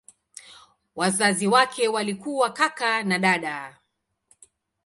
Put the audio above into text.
Wazazi wake walikuwa kaka na dada.